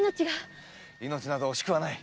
命など惜しくはない。